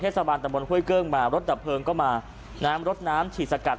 สะพานตะบนห้วยเกิ้งมารถดับเพลิงก็มาน้ำรถน้ำฉีดสกัด